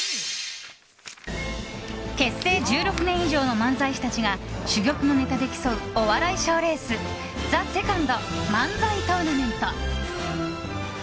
結成１６年以上の漫才師たちが珠玉のネタで競うお笑い賞レース「ＴＨＥＳＥＣＯＮＤ漫才トーナメント」。